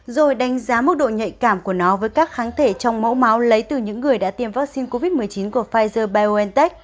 rồi đánh giá mức độ nhạy cảm của nó với các kháng thể trong mẫu máu lấy từ những người đã tiêm vaccine covid một mươi chín của pfizer biontech